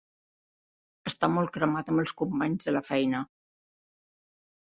Està molt cremat amb els companys de la feina.